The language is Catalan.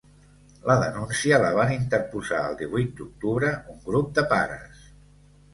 La denúncia la van interposar el divuit d’octubre un grup de pares.